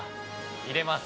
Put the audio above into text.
入れます。